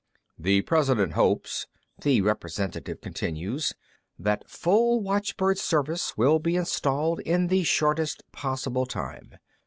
"The President hopes," the representative continued, "that full watchbird service will be installed in the shortest possible time.